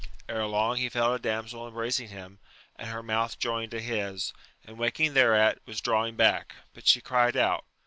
Ere long he felt a damsel em bracing him, and her mouth joined to his ; and, wak ing thereat, was drawing back, but she cried out.